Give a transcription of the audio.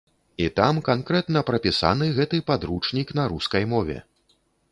І там канкрэтна прапісаны гэты падручнік на рускай мове.